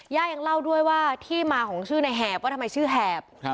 ยังเล่าด้วยว่าที่มาของชื่อในแหบว่าทำไมชื่อแหบ